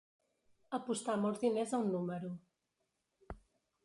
Apostar molts diners a un número.